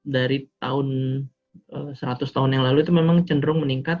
dari seratus tahun yang lalu itu memang cenderung meningkat